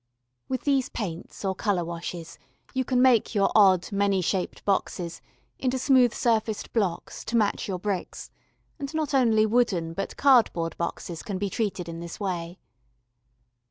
With these paints or colour washes you can make your odd many shaped boxes into smooth surfaced blocks to match your bricks: and not only wooden, but cardboard boxes can be treated in this way.